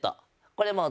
これもう